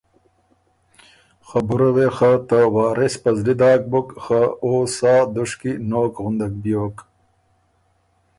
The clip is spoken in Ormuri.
خبُره وې خه ته وارث په زلی داک بُک خه او سا دُشکی نوک غُندک بیوک